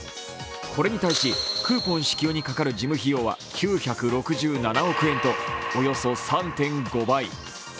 これに対し、クーポン支給にかかる事務費用は９６７億円とおよそ３．５倍。